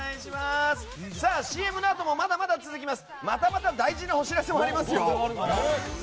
ＣＭのあともまだまだ続きます。